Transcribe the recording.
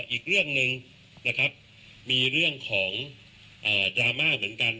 อีกเรื่องหนึ่งนะครับมีเรื่องของดราม่าเหมือนกัน